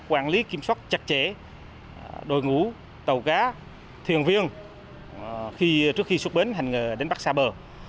quản lý kiểm soát chặt chẽ đội ngũ tàu cá thuyền viên trước khi xuất bến hành nghề đánh bắt xa bờ